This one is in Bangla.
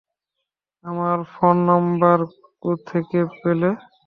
আমার ফোন নম্বর কোত্থেকে পেলে?